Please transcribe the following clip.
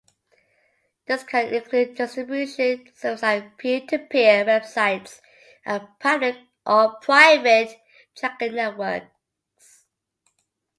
This can include distribution services like peer-to-peer websites and public or private tracking networks.